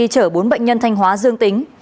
chở bốn bệnh nhân thanh hóa dương tính